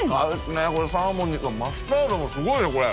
サーモンにマスタードがすごいねこれ。